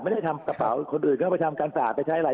ไม่ได้ทำกระเป๋าคนอื่นก็ไปทำการสะอาดไปใช้อะไร